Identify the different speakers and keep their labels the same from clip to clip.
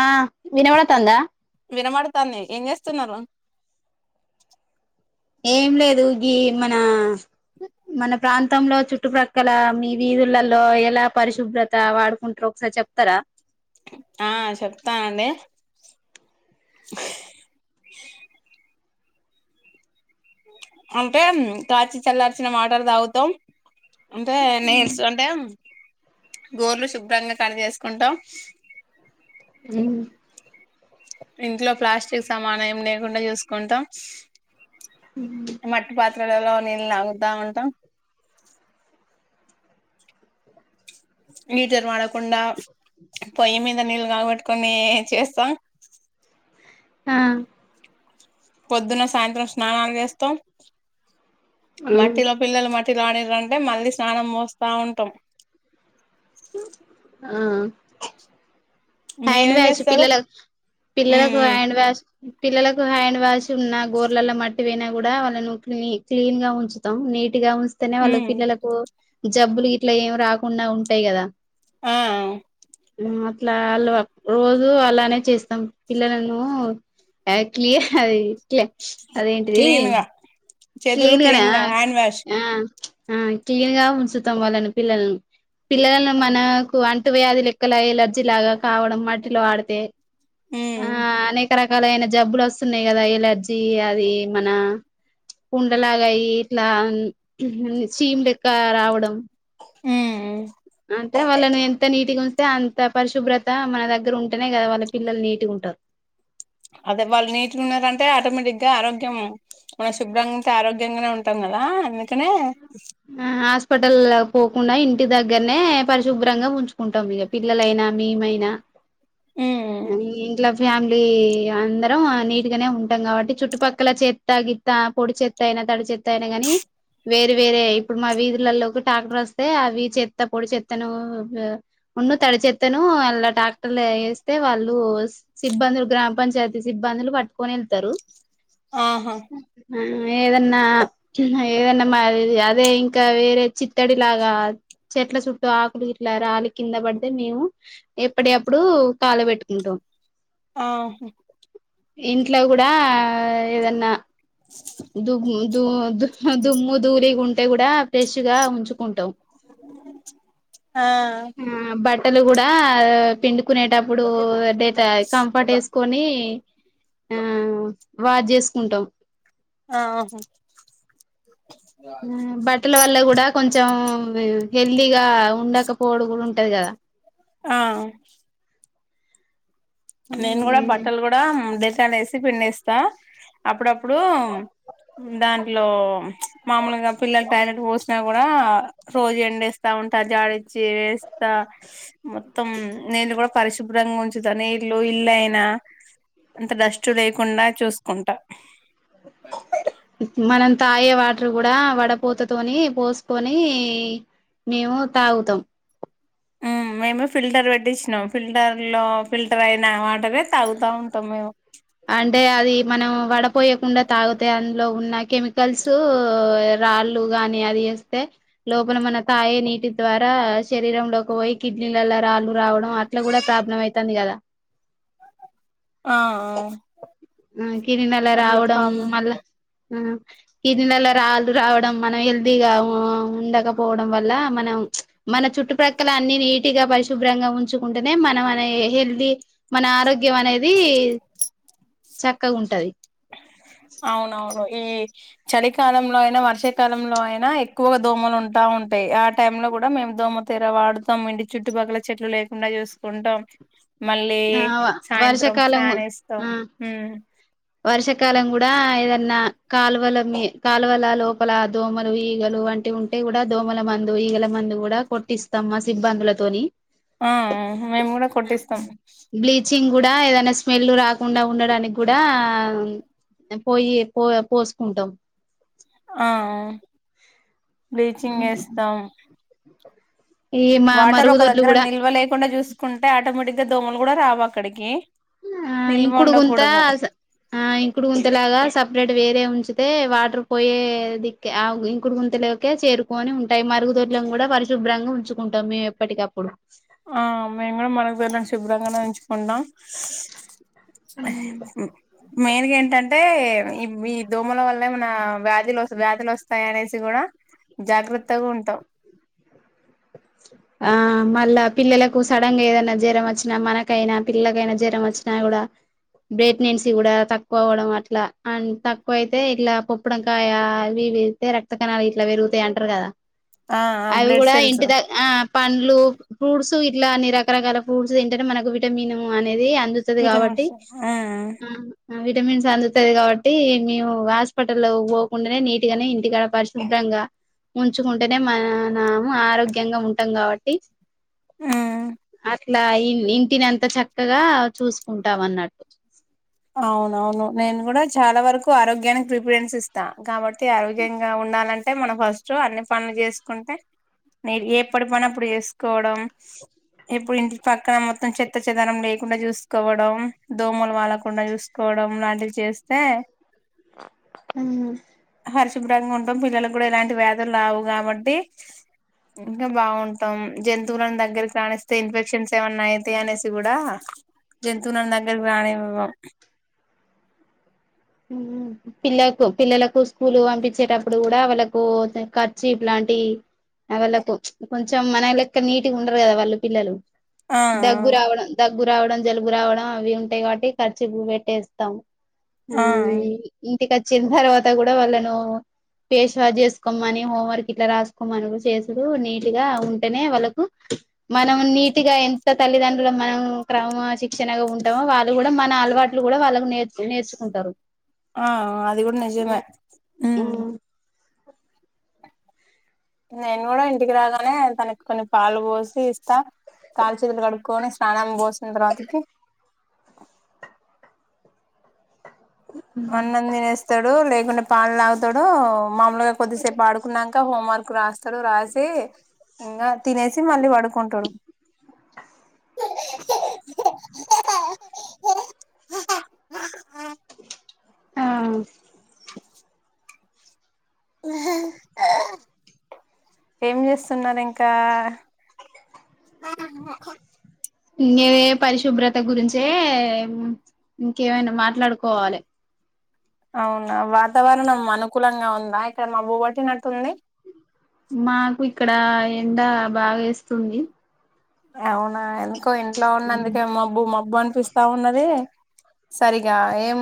Speaker 1: ఆ వినబడతంద
Speaker 2: వినబడతంది ఏం చేస్తున్నరు.
Speaker 1: ఏం లేదు గీ మన మన ప్రాంతంలో చుట్టుప్రక్కల మీ వీధులలో ఎలా పరిశుభ్రత వాడుకుంట్రో ఒకసారి చెప్తారా
Speaker 2: ఆ చెప్తానండి. [inaudible] అంటే కాంచి చల్లార్చిన వాటర్ తాగుతాం. అంటే నైల్స్ అంటే గోర్లు శుభ్రంగా కట్ చేసుకుంటం.
Speaker 1: మ్.
Speaker 2: ఇంట్లో ప్లాస్టిక్ సమానేం లేకుండా చూసుకుంటాం.
Speaker 1: హ్మ్.
Speaker 2: కుండలో నీళ్లు తాగుతా ఉంటాం. హిటర్ వాడకుండ పోయ్యి మింద నీళ్లు కాగబెట్టుకొని చేస్తాం.
Speaker 1: ఆ
Speaker 2: పొద్దున్న సాయంత్రం స్నానాల్చేస్తాం. మట్టిలో పిల్లలు మట్ ట్టిలో ఆడిర్రంటే అంటే మళ్ళీ స్నానం పోస్తా ఉంటాం.
Speaker 1: ఆ హ్యాండ్
Speaker 2: మీరేం
Speaker 1: వ్యాష్
Speaker 2: చేస్తారు
Speaker 1: పిల్లల
Speaker 2: ఉమ్
Speaker 1: పిల్లలకు
Speaker 2: ఉమ్
Speaker 1: హ్యాండ్ వ్యాష్ పిల్లలకు హ్యాండ్ వాష్ ఉన్నా గోర్లల మట్టి పోయినా కూడా వాళ్ళను క్లి క్లీన్ గా ఉంచుతాం నీట్ టిగా ఉంచితేనే వాళ్ళకు
Speaker 2: ఉమ్
Speaker 1: పిల్లలకు జబ్బులు ఇట్లా ఏం రాకుండా ఉంటాయి కదా
Speaker 2: ఆ
Speaker 1: మ్ అట్లా వాళ్ళు రోజు అలానే చేస్తాం పిల్లలను య క్లియర్ అది క్లే అదేంటిది
Speaker 2: క్లీన్ గా చేతులు
Speaker 1: క్లీన్గానే
Speaker 2: క్లీన్
Speaker 1: ఆ
Speaker 2: గా హ్యాండ్ వాష్
Speaker 1: ఆ ఆ క్లీన్గా ఉంచుతాం వాళ్ళని పిల్లలను పిల్లలను మనకు అం ంటు వ్యాధు లెక్కలా ఎలర్జీ లాగా కావడం మట్టిలో ఆడితే ఆ
Speaker 2: మ్.
Speaker 1: అనేక రకాలైన జబ్బులోస్తున్నాయి కదా ఎలర్జీ అది మన పుండలాగయ్యి ఇట్లా చీమ్డెక్క రావడం
Speaker 2: మ్ మ్
Speaker 1: అంటే వాళ్ళని ఎంత నీటిగా ఉంచితే అంత పరిశుభ్రత మన దగ్గర ఉంటేనే కదా వాళ్ళ పిల్లలు నీటిగుంటరు.
Speaker 2: అదే వాళ్ళు నీట్గున్నారంటే ఆటోమేటిక్గా ఆరోగ్యం మనం శుభ్రంగుంటే ఆరోగ్యంగానే ఉంటాం. కదా అందుకనే
Speaker 1: హాస్పిటల్ల్ పోకుండా ఇంటి దగ్గరనే పరిశుభ్రంగా ఉంచుకుంటామిగ పిల్లలైన మేమయినా ఆ ఇంట్లో ఫ్యామిలీ అందరం నీటీగానే ఉంటాం కాబట్టి చుట్టుపక్కల చెత్త గీత్త పొడి చెత్తయినా తడిచె చెత్తయినా గాని వేరు వేరే ఇప్పుడు మా వీధులలోకి ట్రాక్టర్ వస్తే అవి చెత్త పొడి చెత్తను ఉం ను తడి చెత్తను అళ్ళ టాక్టర్లో వేస్తే వాళ్ళు సిబ్బందులు గ్రామ పంచాయతీ సిబ్బందు లు పట్టుకొనేళ్తరు.
Speaker 2: ఆహా.
Speaker 1: ఏదన్నా చిన్న ఏదన్నా మరి అదే, ఇంకా వేరే చిత్తడి లాగా చెట్ల సుట్టూ ఆకులు ఇట్లా రాలి కింద పడితే, మేము ఎప్పుడి అప్పుడు కాల పెట్టుకుంటాం.
Speaker 2: ఆ హ
Speaker 1: ఇంట్ల గూడా ఏదన్నా దు ద దుమ్ము, ధూళి ఉంటే గూడా ఫ్రెష్ గా ఉంచుకుంటాం.
Speaker 2: ఆ
Speaker 1: ఆ బట్టలు గూడా పిండుకునేటప్పుడు, డేటా కంఫర్ట్ ఎసుకొని. ఆ వాజ్ చేసుకుంటాం.
Speaker 2: ఆహు
Speaker 1: ఆ బట్టల వల్ల గూడా, కొంచెం హెల్తీగా ఉండకపోవడం, కూడా ఉంటది. కదా!
Speaker 2: ఆ నేను గూడా, బట్టలు కూడా డెటాల్ ఎసి పిడెస్తా అప్పుడప్పుడు దాంట్లో మామూలుగా పిల్లల టాలెట్ పోసినా గూ డా రోజు ఎండేస్తా. జాడిచ్చి వేస్తా, మొత్తం నీళ్లు కూడా పరిశుభ్రంగా ఉంచుతా. నీ నీళ్ళు, ఇల్లు అయినా, అంత డస్ట్ లేకుండా చూసుకుంటా.
Speaker 1: మనం తాగే వాటరు గూడా, వడపోతతోని పోసుకొని. మేము తాగుతాం.
Speaker 2: మ్ మేము ఫిల్టర్ పెట్టించినాం. ఫిల్టర్ లో ఫిల్టర్ అయిన వాటరే తాగుతా ఉంటాం. మేము
Speaker 1: అంటే అది మనం వడపోయకుండా, తాగుతే అందులో ఉన్నాయి. కెమికల్స్ రాళ్ళలు గాని, అది ఎస్తే లోపల మన తాయే నీటి ద్వారా శరీరంలోకి పోయి, కిడ్నీలలా రాళ్ళు రావడం, అట్లా కూడా ప్రాబ్లం అవుతుంది. కదా!
Speaker 2: ఆ
Speaker 1: ఆ కిరి నల
Speaker 2: అట్లా
Speaker 1: రావడం
Speaker 2: ప్రాబ్లం
Speaker 1: మళ్ళా ఆ కిడ్నీ లరాళ్ళు రావడం, మనం హెల్తీగా ఉండకపోవడం. వల్ల మనం చ్ మన చుట్టుప్రక్కల అన్ని నిట్ పట్టిగా పరిశుభ్రంగా ఉంచుకుంటేనే, మనం హెల్తీ మన ఆరోగ్యం అనేది. చక్కగ ఉంటది.
Speaker 2: అవునవును ఈ చలికాలంలో అయినా, వర్షాకాలంలో అయినా ఎక్కువగా దోమలు ఉంటా ఉంటాయి. ఆ టై లో కూడా మేము దోమతేర వాడతాం. ఇంటి చుట్టుపక్కల చెట్లు లేకుండా చూసుకుంటాం. మళ్ళీ,
Speaker 1: ఆ
Speaker 2: సాయంత్రం
Speaker 1: వర్షాకాలం
Speaker 2: ఫ్యాన్ ఇస్తాం.
Speaker 1: ఆ వర్షాకాలం గూడా ఏదన్నా, కాలువల మీ కాలువల లోపల దోమలు, ఈగలు వంటివి ఉంటే కూడా, దోమల మందు ఈగల మందు కూడా కొట్టిస్తాం. మా సిబ్బందులతోని
Speaker 2: ఆ మేము గూడా కొట్టిస్తాం.
Speaker 1: నేనుకూడ కూడా, ఏదైనా స్మెల్ రాకుండా ఉండడానికి గూడా ఆ పోయి పో పోసుకుంటం.
Speaker 2: ఆ బ్లీచింగ్ ఎస్తాం.
Speaker 1: ఈ మా
Speaker 2: వాటర్ ఒక
Speaker 1: మరుగుదొడ్లు
Speaker 2: దగ్గర
Speaker 1: కూడా
Speaker 2: నిల్వ లేకుండా చూసుకుంటే, ఆటోమేటిక్ గా దోమలు కూడా రావు అక్కడికి
Speaker 1: ఆ
Speaker 2: నిల్వ
Speaker 1: ఇంకుడు గుంత
Speaker 2: ఉండకూడదు
Speaker 1: ఆ ఇంకుడు గుంత లాగా, సపరేట్ వేరే గా ఉంచితే వాటర్ పోయే ది ఇంకుడు గుంతలోకే చేరుకొని ఉంటాయి. మరుగుదొడ్లను కూడా పరిశుభ్రంగా ఉంచుకుంటాం. మేము ఎప్పటికప్పుడు
Speaker 2: ఆ మేము కూడా, మనకుతో శుభ్రంగానే ఉంచుకుంటాం. మెయిన్గా ఏంటంటే. అయితే ఈ ఈ దోమల వల్లమన వ్యాధులు వ్యాధులు వస్తాయి. అనేసి కూడా జాగ్రత్తగా ఉంటం.
Speaker 1: ఆ మళ్ళా పిల్లలకు సడన్ గా ఏదనా జ్వరం వచ్చినా, మనకైనా పిల్లకైనా జ్వరం వచ్చినా. కూడా బ్రెట్నెన్సీ కూడా తక్కువ అవ్వడం అట్లా అండ్ తక్కువ అయితే ఇట్లా పప్పుడంకాయ అవి వెళ్తే రక్త కణాలు ఇట్లా పెరుగుతాయి అంటారు కదా
Speaker 2: ఆ
Speaker 1: అవి
Speaker 2: బ్లడ్
Speaker 1: కూడా
Speaker 2: సెల్స్
Speaker 1: ఇంటి ద ఆ పండ్లు ఫ్రూట్స్ ఇట్లా అన్ని రకరకాల ఫ్రూట్స్ ఏంటంటే మనకు విటమిన్ అనేది అంది కాబట్టి
Speaker 2: విటమిన్స్
Speaker 1: ఆ విటమిన్స్ అందుతాది కాబట్టి మేము హాస్పిటల్లో పోకుండానే నీట్ గానే ఇంటికాడ పరిశుభ్రంగా ఉంచుకుంటేనే మ నాము ఆరోగ్య ముంగా ఉంటాం కాబట్టి ఇట్లా ఇంటిని అంత చక్కగా చూసుకుంటాం అన్నట్టు
Speaker 2: అవునవును నేను కూడా చాలా వరకు ఆరోగ్యానికి ప్రిపరెన్స్ ఇస్తా కాబట్టి ఆరోగ్యంగా ఉం ఉండాలంటే మనం ఫస్ట్ అన్ని పనులు చేసుకుంటే నే ఎప్పుడూ పని అప్పుడు చేసుకోవడం ఇప్పుడు ఇంటి పక్కన మొత్తం చెత్త చెదనం లేకుండా చూసుకోవడం దోమలు వాళ్ళకు కుండా చూసుకోవడం లాంటివి చేస్తే
Speaker 1: మ్మ్ హ్మ్
Speaker 2: పరిశుభ్రంగా ఉంటాం పిల్లలకు కూడా ఎలాంటి వేధులు రావు కాబట్టి ఇంకా బాగుంటాం జంతువులను దగ్గరికి రాణిస్తే ఇన్ఫెక్షన్స్ ఏమన్నా అయితాయి అనేసి కూడా జంతువులను దగ్గరగా రానివ్వం
Speaker 1: మ్మ్ పిల్లలకు పిల్లలకు స్కూలు పంపించేటప్పుడు కూడా వాళ్ళలకు ఖర్చు ఇలాంటి అ వాళ్ళకు కొంచెం మన లెక్క నీట్గా ఉండరు కదా వాళ్ళు పిల్లలు
Speaker 2: ఆ
Speaker 1: దగ్గు రావడం దగ రావడం జలుబు రావడం అవి ఉంటాయి కాట్టి ఖర్చీ ప్ పెట్టేస్తాం ఆ ఇంటికి వచ్చిన తర్వాత కూడా వాళ్ళను పేష్వా చేసుకోమని హోంవర్క్ ఇట్లా రాసుకోమను చేసుడు నీట్గా ఉంటేనే వాళ్ళకు మనం నీట్గా ఎంత తల్లిదండ్రులు మనం క్రమశిక్షణగా ఉంటామో వాళ్ళు కూడా మన అలవాట్లు కూడా వాళ్ళకు నేర్చు నేర్చుకుంటరు
Speaker 2: ఆ అది కూడ నిజమే మ్మ్ నేను కూడా ఇంటికి రాగానే తనకు కొన్ని పాలు పోసి ఇస్త కాలుచేతులు కడుక్కొనిస్ తాణం పోసిన తర్వాతకి అన్నం తినేస్తడు లేకుంటె పాలు తాగుతడు ఊ మాములుగా కొద్దిసేపు ఆడుకున్నంక హోంవర్క్ రాస్తడు రాసి ఇంకా తినేసి మళ్ళీ పడుకుంటడు
Speaker 1: ఆ
Speaker 2: ఏం జేస్తున్నరు ఇంకా
Speaker 1: ఇంగేవే పరిశుభ్రత గురించే ఇంకేమైనా మాట్లాడుకోవాలి
Speaker 2: అవునా వాతావరణం అనుకూలంగా ఉందా ఇక్కడ మబ్బుబట్టినటుంది
Speaker 1: మాకు ఇక్కడ ఎండ బాగేస్తుంది
Speaker 2: అవునా ఎందుకొ ఇంట్లో ఉన్నందుకే మబ్బు మబ్బు అనిపిస్తా ఉన్నది సరిగా ఏం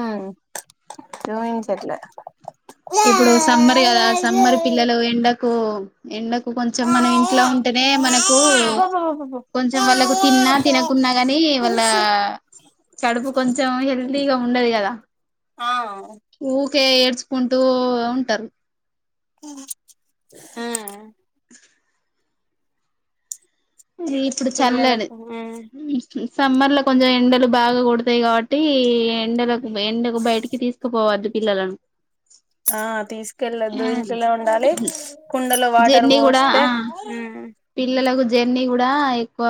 Speaker 2: చూయిచట్లే
Speaker 1: ఇప్పుడు సమ్మర్ కదా సమ్మర్ పిల్లలు ఎండకు ఎండక్ కొంచెం మనం ఇంట్లో ఉంటేనే మనకు
Speaker 2: అబ్బబ్బబ్బబ్బ
Speaker 1: కొంచెం వాళ్ళకు తిన్నా తినకున్నా గాని వాళ్ళ కడుపు కొంచెం హెల ఫ్రీ గ ఉండదు కదా
Speaker 2: ఆ
Speaker 1: కే ఏడ్చుకుంటూ ఉంటరు
Speaker 2: హ్మ్
Speaker 1: ఈ ఇప్పుడు చల్లడి
Speaker 2: పిల్లలకు
Speaker 1: సమ్మర్ లో కొంచెం ఎండలు బాగా గొడతయి కాబట్టి ఎండలకు ఎండకు బయటికి తీసుకుపోవద్దు పిల్లలను
Speaker 2: ఆ తీసుకెళ్ళొద్దు ఇంట్లనె ఉండాలి కుండలో వాటర్
Speaker 1: జర్నీ కూడా
Speaker 2: పోస్తే
Speaker 1: ఆ పిల్లలకు జర్నీ కూడా ఎక్కువ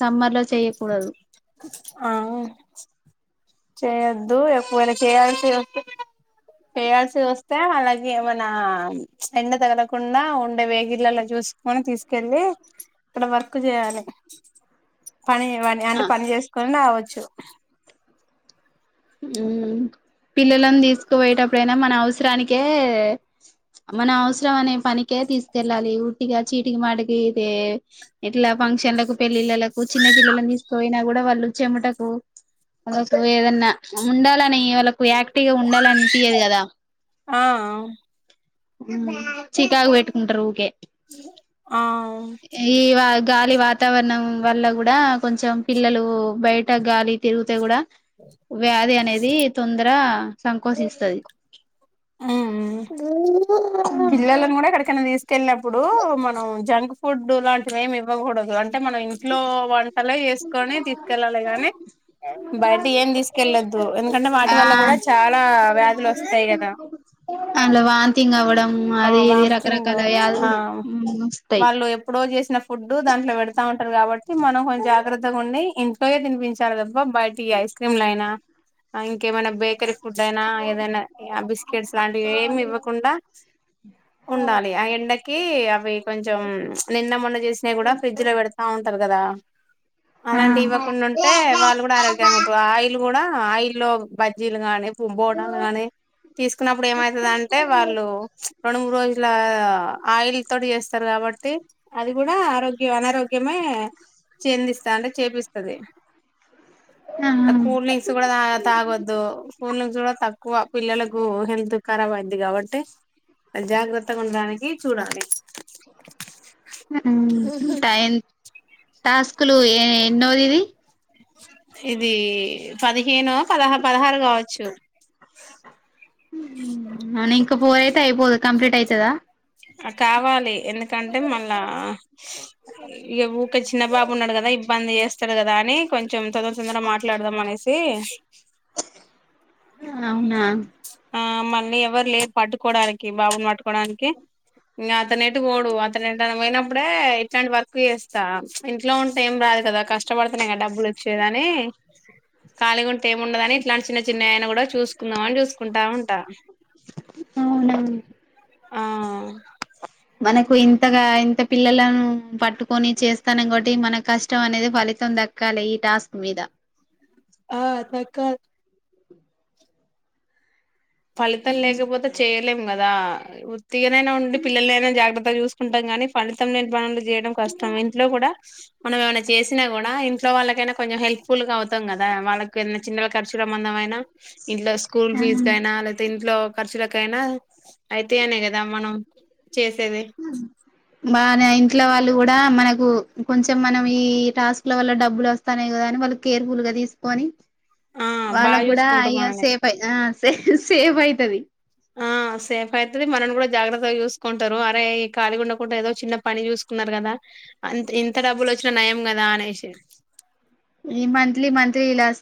Speaker 1: సమ్మర్ లో చేయ్యకూడదు
Speaker 2: ఆ చేయొద్దు ఎక్కువైనా చేయాల్సి వస్ వేయాల్సి వోస్తే అలాగే మన ఎండ తగలకుండా ఉండే వేగిల్లలో జు స్పుని తీసుకెళ్ళి ఇక్కడ వర్క్ జేయాలి పని వాని ఆ పని జేసుకొని రావోచ్చు
Speaker 1: ఊ పిల్లలను తీసుకుపోయేటప్పుడైనా మన అవసరానికే మన అవసరం అనే పనికే తీసుకెళ్ళాలి ఉట్టిగా చీటికి మాటికి ఇదే ఇట్లా ఫంక్షన్ల కు పెళ్లిళ్ల ల కు కు చిన్న పిల్లలను తీసు పోయినా కూడా వాళ్ళు చెమటకు వాలకు ఏదన్నా ఉండాలని వాళ్ళకు యాక్టివ్ గ ఉండాలనిపియదు కదా
Speaker 2: ఆ
Speaker 1: ము చికాకుపెట్టుకుంటరు ఊకె
Speaker 2: ఆ
Speaker 1: వా గాలి వాతావరణం వల్ల కూడా కొంచెం పిల్లలు బయట గాలి తిరుగితే కూడ వ్యాధి అనేది తొందర సంకోచించతది
Speaker 2: ము పిల్లలను కూడా ఎక్కడుకైనా తీస్ ఎళ్ళినప్పుడు మనం జంక్ ఫుడ్ లాంటివి ఏమి ఇవ్వకూడదు అం అంటే మనం ఇంట్లో వంటలే చేసుకొని తీసుకెళ్ళాలి గాని బయటియేమ్ తీసుకెళ్లొద్దు ఎందుకంటే వాటి
Speaker 1: ఆ
Speaker 2: వల్ల కూడా చాలా వ్యాధులు వోస్తాయి కదా
Speaker 1: అందులో వాంతింగ్ అవ్వడం
Speaker 2: [unintelligible] ఆ
Speaker 1: అది ఇది
Speaker 2: వామ్కింగ్
Speaker 1: రకరకాల వ్యాధులు వస్తాయి
Speaker 2: వాళ్ళు ఆ ఎప్పుడో జేసిన ఫుడ్ దాంట్లో పెడతా ఉ టరు కాబట్టి మనం కొంచ జాగ్రత్తగా ఉండి ఇంట్లోయే తినిపించాలి తప్ప బయటియి ఈ ఐస్ క్రీమ్లు అయినా ఆ ఇంకేమైనా బేకరీ ఫుడ్ అయినా ఏదైనా ఆ బీస్ కెడ్స్ లాంటివి ఏమి ఇవ్వకుండా ఉండాలి ఆ ఎండకి అవ్వి కొంచెం నిన్న మొన్న చేసినయి గూడా ఫ్రిడ్జ్ లో పెడతా ఉం కద
Speaker 1: ఆ
Speaker 2: అలాంటివి ఇవ్వకుండా
Speaker 1: ఆ
Speaker 2: ఉంటే వాళ్ళు కూడా ఆరోగ్యంగ ఉంటారు ఆయిల్ ఉన్ కూడా ఆ ఆయిల్లో బజ్జీలు గానీ బోండాలు గానీ తీసుకున్నప్పుడు ఏమైతదంటే వాళ్ళు రెండు మూడు రోజుల ఆయిల్ తోటి చేస్తారు కాబట్టి అది కూడా ఆరోగ్య అనారోగ్య ముమే చెందిస్తా అంటే చేపిస్తుది కూల్ డ్రింక్స్ కూడా తాగ తాగొద్దు కూల్ డ్రింక్స్ కూడా తక్కువ పిల్లల ఓ హెల్త్ ఖరాబ్ అయ్యిద్ధి కాబట్టి జాగ్రత్తగా ఉండడానికి చూడాలి
Speaker 1: టై టాస్కులు ఏ ఎన్నో దిది
Speaker 2: ఇది పదిహేనో పదహ పదహారు కావచ్చు
Speaker 1: అవు ఇంకా ఫోర్ అయితే అయిపోదు కంప్లీట్ అయితదా
Speaker 2: ఆ కావాలి ఎందుకంటే మళ్ళా ఇగ ఊక చిన్న బాబు ఉన్నాడు కదా ఇబ్బంది చేస్తాడు కదా అని కొంచెం తొందర తొందర మాట్లాడదాం అనేసి
Speaker 1: అవునా
Speaker 2: ఆ మళ్ళీ ఎవరు లేరు పట్టుకోవడానికి బాబుని పట్టుకోవడానికి ఇంకా అతను ఎటు పోడు అతను ఎటైనా పోయినప్పుడే ఇట్లాంటి వర్క్ చేస్తా ఇంట్లో ఉంటా ఏం రాదు కదా కష్టపడుతున్నా డబ్బులు ఒచ్చేదని ఖాళగా ఉంటే ఏమి ఉండదని ఇట్లాంటి చిన్న చిన్న కూడా చూసుకుందాం అని చూసుకుంటా ఉంటా
Speaker 1: అవునా
Speaker 2: ఆ
Speaker 1: మనకు ఇంతగా ఇంత పిల్లలను పట్టుకొని చేస్తానం కాబట్టి మన కష్టం అనేది ఫలితం దక్కాలె ఈ టాస్క్ మీద
Speaker 2: ఆ దక్కా ఫలితం లేకపోతే చేయ లేం కదా ఉత్తిగానైన ఉండి పిల్లల్ని అయినా జాగ్రత్తగా చూసుకుంటాం కానీ ఫలితం లేని పనులు చేయడం కష్టమే ఇంట్లో కూడా మనం ఏమైనా చేసినా కూడా ఇంట్లో వాళ్ళకైనా కొంచెం హెల్ప్ ఫుల్ గా అవుతాం కదా వాళ్ళకి ఏదైనా చిన్న ఖర్చుల మందంమైనా ఇట్లా స్కూల్ ఫీజు
Speaker 1: ఆ
Speaker 2: అయితే ఇంట్లో ఖర్చులకైనా అయితాయి అనే కదా మనం చేసేది
Speaker 1: మన ఇంట్లో వాళ్ళ్ కూడా మనకు కొంచెం మనం ఈ టాస్క్ ల వల్ల మ వల్ల డబ్బులు వస్తాన్నాయి కదా అని వాళ్ళు కేర్ ఫుల్ గా తీసు కొని
Speaker 2: ఆ బాగా
Speaker 1: వాళ్ళకు కూడా
Speaker 2: చూసుకుంటాం
Speaker 1: అయ
Speaker 2: మనల్ని
Speaker 1: సేఫ్ అయి సే సేఫ్ అయితాది
Speaker 2: ఆ ఆ సేఫ్ అయితది మనల్ని కూడా జాగ్రత్తగా చూసుకుంటారు అరే ఈ ఖాళీగా ఉండకుండా ఏదో చిన్న పని చూసుకున్నాది అన్నంటా కదా ఆమె అంత ఇంత డబ్బులు వచ్చినా నయం కదా అనేసి
Speaker 1: ఈ మంత్లీ మంత్లీ ఇలాస్